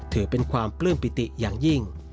ถือเป็นความปลื้มปิติอย่างยิ่ง